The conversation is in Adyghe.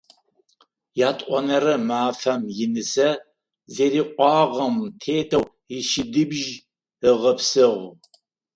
Ятӏонэрэ мафэм инысэ зэриӏуагъэм тетэу ищыдыбжь ыгъэпсыгъ.